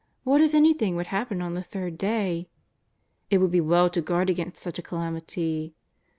What if anything should happen on the third day ! It would be well to guard against such a calamity.